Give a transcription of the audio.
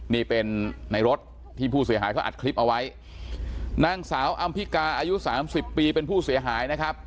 นี่เป็นในรถที่ผู้เสียหายเขาอัดคลิปเอาไว้นางสาวอำพิกาอายุสามสิบปีเป็นผู้เสียหายนะครับ